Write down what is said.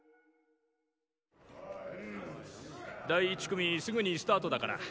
第１組すぐにスタートだから。